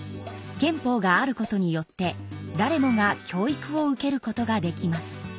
憲法があることによって誰もが教育を受けることができます。